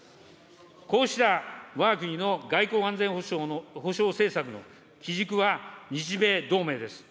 こうしたわが国の外交、安全保障政策の基軸は、日米同盟です。